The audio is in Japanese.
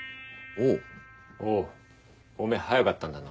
おうおめぇ早かったんだな。